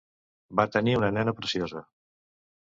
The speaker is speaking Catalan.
Van tenir una nena preciosa.